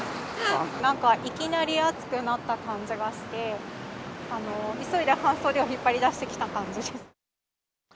なんかいきなり暑くなった感じがして、急いで半袖を引っ張り出してきた感じです。